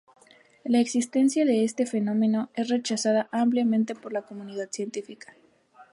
La existencia de este fenómeno es rechazada ampliamente por la comunidad científica.